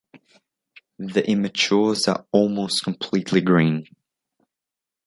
The immatures are almost completely green.